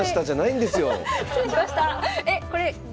失礼しました！